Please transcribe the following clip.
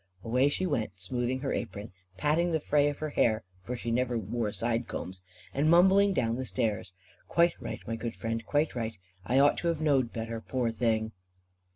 '" Away she went, smoothing her apron, patting the fray of her hair for she never wore side combs and mumbling down the stairs. "Quite right, my good friend, quite right, I ought to have knowed better, poor thing."